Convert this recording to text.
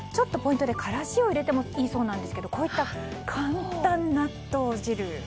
ポイントでからしを入れてもいいそうなんですがこういった簡単納豆汁。